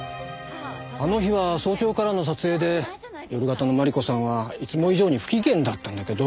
あの日は早朝からの撮影で夜型の万里子さんはいつも以上に不機嫌だったんだけど。